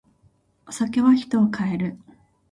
お酒は人を変える。